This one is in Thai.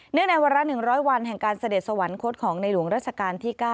ในวันละ๑๐๐วันแห่งการเสด็จสวรรคตของในหลวงราชการที่๙